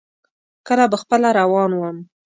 کله به خپله روان ووم.